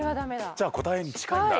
じゃあ答えに近いんだ。